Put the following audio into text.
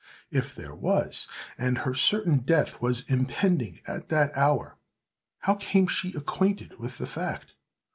If there was, and her certain death was impending at that hour, how came she acquainted with the fact?